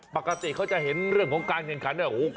ปกติเขาจะเห็นเรื่องของการแข่งขันเนี่ย